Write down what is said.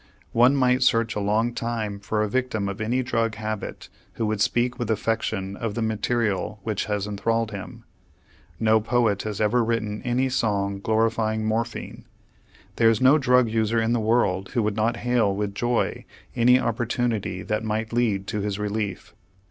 One might search a long time for a victim of any drug habit who would speak with affection of the material which has enthralled him. No poet has ever written any song glorifying morphine. There is no drug user in the world who would not hail with joy any opportunity that might lead to his relief.